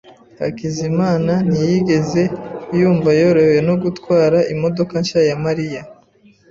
Abantu bamwe bavuga ko bashobora guhanura ibizaza.